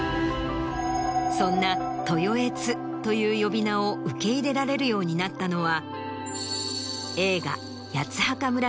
そんなトヨエツという呼び名を受け入れられるようになったのは。